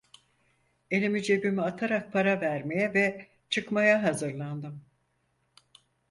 Elimi cebime atarak para vermeye ve çıkmaya hazırlandım.